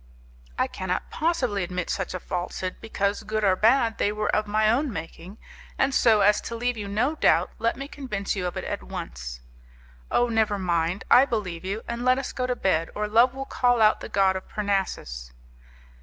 "I cannot possibly admit such a falsehood, because, good or bad, they were of my own making, and so as to leave you no doubt let me convince you of it at once." "Oh, never mind! I believe you, and let us go to bed, or Love will call out the god of Parnassus."